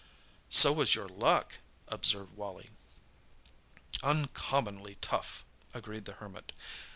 "So was your luck," observed Wally. "Uncommonly tough," agreed the Hermit.